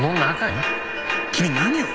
君何を？